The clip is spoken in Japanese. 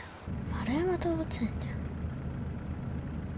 円山動物園じゃん。